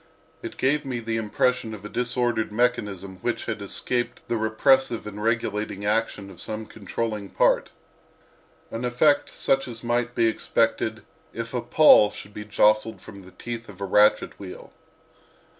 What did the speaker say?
It gave me the impression of a disordered mechanism which had escaped the repressive and regulating action of some controlling part—an effect such as might be expected if a pawl should be jostled from the teeth of a ratchet wheel.